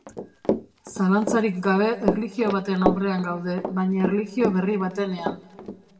Zalantzarik gabe erlijio baten aurrean gaude, baina erlijio berri batenean.